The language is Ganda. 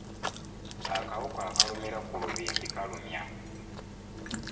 Akawuka akalumira ku lubimbi kalumya.